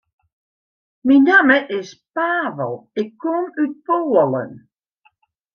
Myn namme is Pavel, ik kom út Poalen.